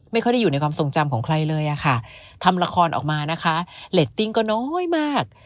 ไม่ได้อยู่ในความทรงจำของใครเลยอะค่ะทำละครออกมานะคะเรตติ้งก็น้อยมาก